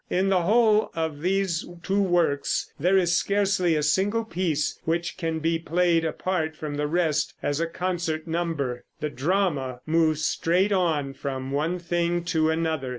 In the whole of these two works there is scarcely a single piece which can be played apart from the rest as a concert number. The drama moves straight on from one thing to another.